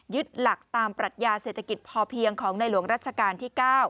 หลักตามปรัชญาเศรษฐกิจพอเพียงของในหลวงรัชกาลที่๙